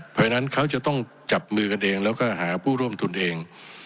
เพราะฉะนั้นเขาจะต้องจับมือกันเองแล้วก็หาผู้ร่วมทุนเอง